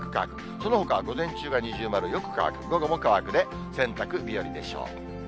そのほかは午前中が二重丸、よく乾く、午後も乾くで洗濯日和でしょう。